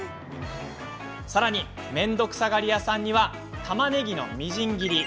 さらに、面倒くさがり屋さんにはたまねぎのみじん切り。